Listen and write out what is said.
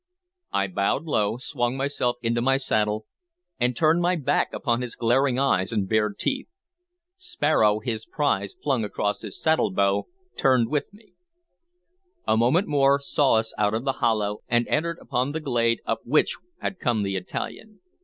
I bowed low, swung myself into my saddle, and turned my back upon his glaring eyes and bared teeth. Sparrow, his prize flung across his saddlebow, turned with me. A minute more saw us out of the hollow, and entered upon the glade up which had come the Italian.